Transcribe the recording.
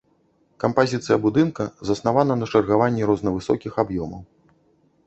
Кампазіцыя будынка заснавана на чаргаванні рознавысокіх аб'ёмаў.